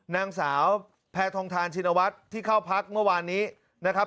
นางสาวแพทองทานชินวัฒน์ที่เข้าพักเมื่อวานนี้นะครับ